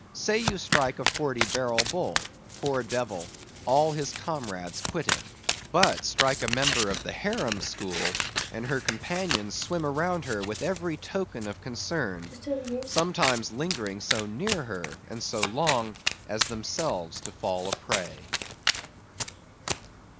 Say you strike a Forty barrel bull—poor devil! all his comrades quit him. But strike a member of the harem school, and her companions swim around her with every token of concern, sometimes lingering so near her and so long, as themselves to fall a prey.